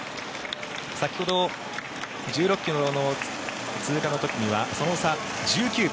先ほど１６ｋｍの通過の時にはその差、１９秒。